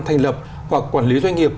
thành lập hoặc quản lý doanh nghiệp